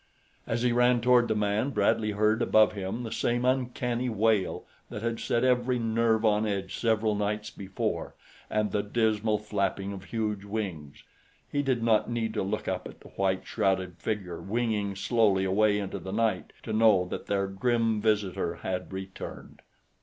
As he ran toward the man, Bradley heard above him the same uncanny wail that had set every nerve on edge several nights before, and the dismal flapping of huge wings. He did not need to look up at the white shrouded figure winging slowly away into the night to know that their grim visitor had returned.